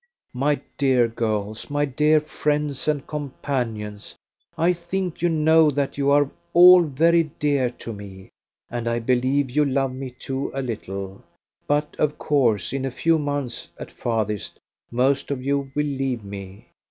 My dear girls, my dear friends and companions, I think you know that you are all very dear to me, and I believe you love me too a little; but of course in a few months at farthest most of you will leave me.